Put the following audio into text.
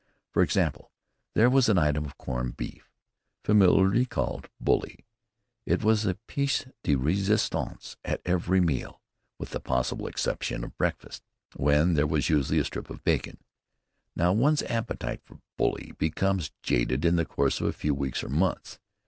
For example, there was the item of corned beef familiarly called "bully." It was the pièce de résistance at every meal with the possible exception of breakfast, when there was usually a strip of bacon. Now, one's appetite for "bully" becomes jaded in the course of a few weeks or months.